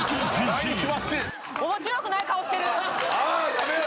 やめろ。